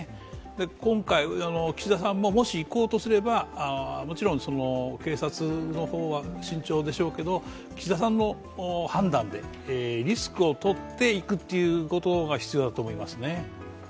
今回、岸田さんも、もし行こうとすれば、もちろん警察の方は慎重でしょうけど岸田さんの判断でリスクをとって行くということが必要だと思いますね。